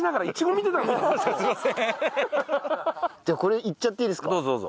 じゃあこれいっちゃっていいですか？